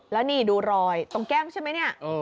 แล้วนี่ดูรอยตรงแก้มใช่ไหมเนี่ย